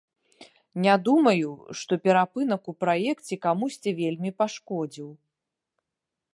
Не думаю, што перапынак у праекце камусьці вельмі пашкодзіў.